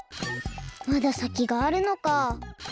まださきがあるのか。